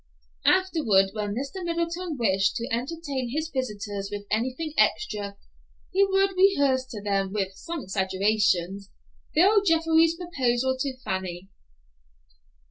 Afterward, when Mr. Middleton wished to entertain his visitors with anything extra, he would rehearse to them, with some exaggerations, Bill Jeffrey's proposal to Fanny.